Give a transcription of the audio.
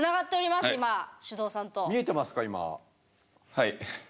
はい。